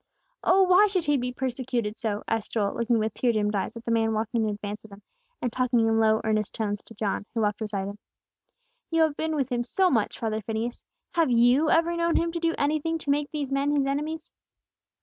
"Oh, why should He be persecuted so?" asked Joel, looking with tear dimmed eyes at the man walking in advance of them, and talking in low earnest tones to John, who walked beside Him. "You have been with Him so much, father Phineas. Have you ever known Him to do anything to make these men His enemies?"